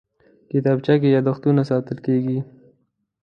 کتابچه کې یادښتونه ساتل کېږي